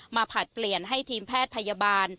ผลัดเปลี่ยนให้ทีมแพทย์พยาบาล